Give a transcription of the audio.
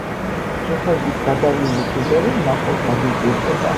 ჯიხვების გადავლილი კლდე რომ ნახო გაგიკვირდება